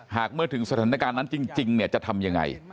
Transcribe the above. เมื่อถึงสถานการณ์นั้นจริงจะทำยังไง